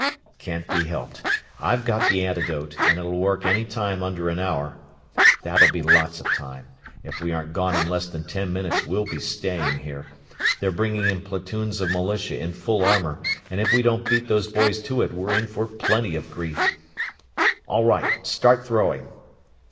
"Can't be helped. I've got the antidote, and it'll work any time under an hour. That'll be lots of time if we aren't gone in less than ten minutes we'll be staying here. They're bringing in platoons of militia in full armor, and if we don't beat those boys to it we're in for plenty of grief. All right start throwing!"